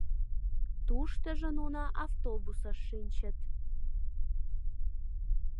Туштыжо нуно автобусыш шинчыт.